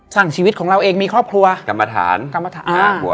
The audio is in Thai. ๒สั่งชีวิตของเราเองมีครอบครัว